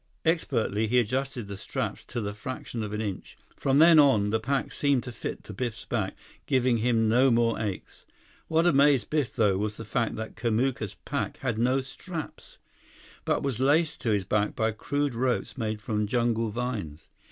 Expertly, he adjusted the straps to the fraction of an inch. From then on, the pack seemed to fit to Biff's back, giving him no more aches. What amazed Biff, though, was the fact that Kamuka's pack had no straps, but was laced to his back by crude ropes made from jungle vines.